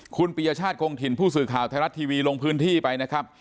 คุณปียชาติคงถิ่นผู้สื่อข่าวไทยรัฐทีวีลงพื้นที่ไปนะครับ